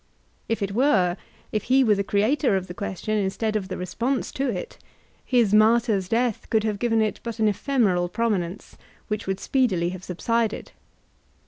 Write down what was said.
If it were, if he were the creator of the question instead of the response to it, his martyr's death could have given it but an ephemeral prominence which would speedily have subsided.